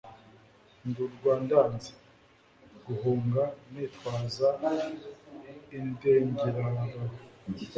Ndi urwa ndanze guhungaNitwaza indengerabagabo.